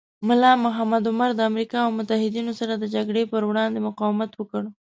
ملا محمد عمر د امریکا او متحدینو سره د جګړې پر وړاندې مقاومت وکړ.